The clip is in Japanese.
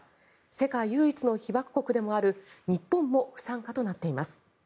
世界唯一の被爆国でもある日本も不参加となっています。